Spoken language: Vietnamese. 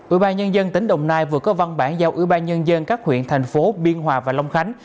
ủy ban nhân dân tỉnh đồng nai vừa có văn bản giao ủy ban nhân dân các huyện thành phố biên hòa và long khánh